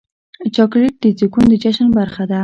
چاکلېټ د زیږون د جشن برخه ده.